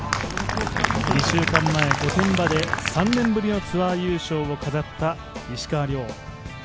２週間前、御殿場で３年ぶりのツアー優勝を飾った石川遼。